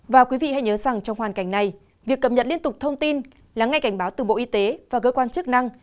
vì vậy việc cập nhật liên tục thông tin lắng ngay cảnh báo từ bộ y tế và cơ quan chức năng